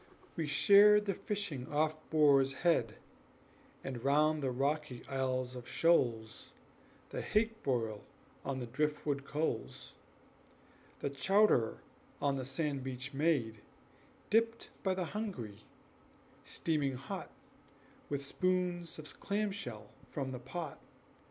We shared the fishing off Boar's Head, And round the rocky Isles of Shoals The hake broil on the drift wood coals; The chowder on the sand beach made, Dipped by the hungry, steaming hot, With spoons of clam shell from the pot.